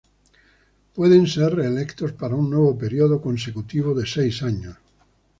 Pueden ser reelectos para un nuevo periodo consecutivo de seis años.